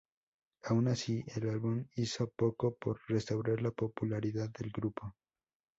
Aun así, el álbum hizo poco por restaurar la popularidad del grupo.